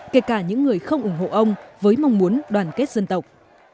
kể cả những người không ủng hộ ông với mong muốn đoàn kết dân tộc